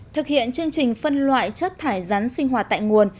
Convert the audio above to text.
thực hiện chương trình phân loại chất thải rắn sinh hoạt tại nguồn